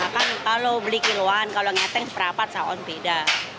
kan kalau beli kiluan kalau ngeteng seberapa saat saat beda